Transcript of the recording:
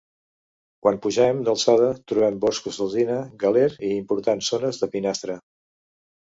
Quan pugem d'alçada trobem boscos d'alzina, galer i importants zones de pinastre.